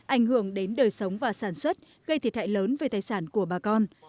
ảnh hưởng đến đời sống và sản xuất gây thiệt hại lớn về tài sản của bà con